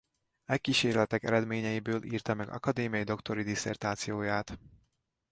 E kísérletek eredményeiből írta meg akadémiai doktori disszertációját.